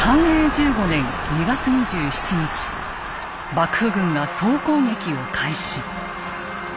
幕府軍が総攻撃を開始。